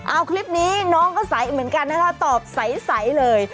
เอาคลิปนี้น้องก็ใสเหมือนกันนะคะตอบใสเลย